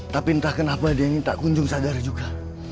tapi entah kenapa dia ini tak kunjung sadar juga